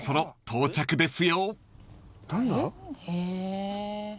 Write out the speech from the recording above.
到着です。